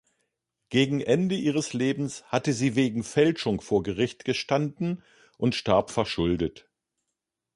Gegen Ende ihres Lebens hatte sie wegen Fälschung vor Gericht gestanden und starb verschuldet.